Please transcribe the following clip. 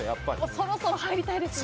そろそろ入りたいですね。